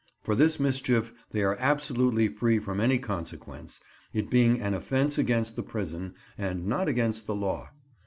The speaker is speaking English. For this mischief they are absolutely free from any consequence, it being an offence against the prison, and not against the law.